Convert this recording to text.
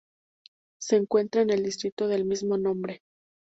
Se encuentra en el distrito del mismo nombre.